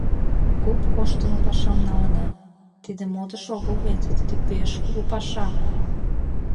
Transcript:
Куп коштымо пашам налына: тиде модыш огыл вет, тиде пеш кугу паша.